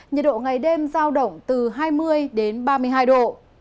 nhiệt độ ngày đêm giao động từ hai mươi đến ba mươi hai độ